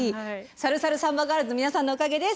さるさるサンバガールズの皆さんのおかげです。